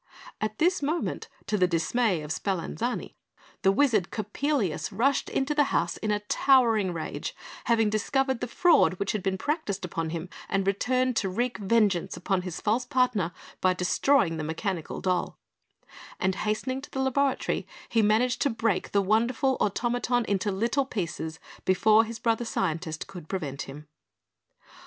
At this moment, to the dismay of Spallanzani, the wizard, Coppelius, rushed into the house in a towering rage, having discovered the fraud which had been practised upon him and returned to wreak vengeance upon his false partner by destroying the mechanical doll; and hastening to the laboratory, he managed to break the wonderful automaton into little pieces before his brother scientist could prevent him.